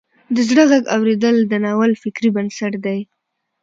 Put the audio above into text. د زړه غږ اوریدل د ناول فکري بنسټ دی.